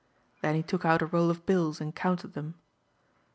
Then he took out a roll of bills and counted them.